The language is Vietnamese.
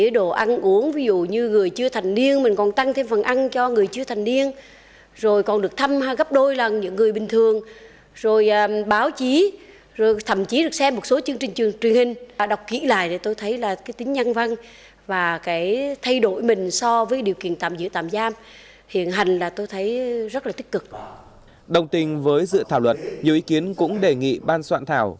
đồng tình với dự thảo luật nhiều ý kiến cũng đề nghị ban soạn thảo